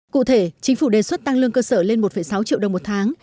cụ thể chính phủ đề xuất tăng lương cơ sở lên một sáu triệu đồng một tháng